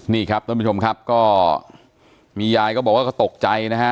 นี่ครับท่านผู้ชมครับก็มียายก็บอกว่าก็ตกใจนะฮะ